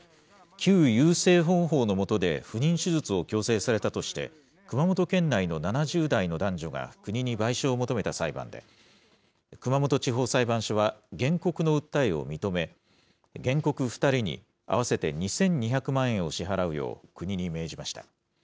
旧優生保護法の下で不妊手術を強制されたとして、熊本県内の７０代の男女が国に賠償を求めた裁判で、熊本地方裁判所は、原告の訴えを認め、原告２人に合わせて２２００万円を支払うよう、国に命じました。